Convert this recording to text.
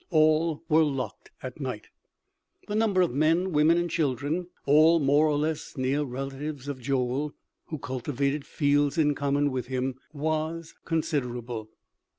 All were locked at night. The number of men, women and children all more or less near relatives of Joel who cultivated fields in common with him, was considerable.